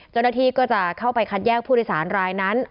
เจ้าหน้าที่ก็จะเข้าไปคัดแยกผู้โดยสารรายนั้น